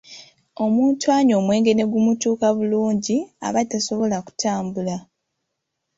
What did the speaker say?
Omuntu anywa omwenge ne gumutuuka bulungi aba tasobola kutambula.